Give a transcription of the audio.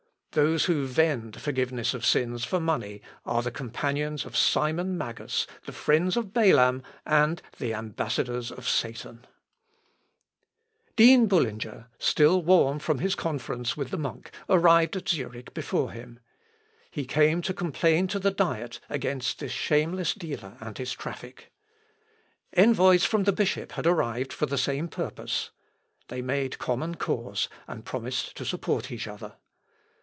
Those who vend forgiveness of sins for money are the companions of Simon Magus, the friends of Balaam and the ambassadors of Satan." Nisi Christus Jesus, verus Deus et verus homo. ... (Ibid. p. 412.) Dean Bullinger, still warm from his conference with the monk, arrived at Zurich before him. He came to complain to the Diet against this shameless dealer and his traffic. Envoys from the bishop had arrived for the same purpose. They made common cause, and promised to support each other.